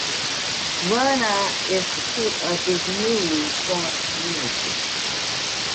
Runa is the seat of this newly formed community.